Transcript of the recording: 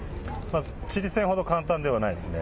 チリ戦ほど簡単ではないですね。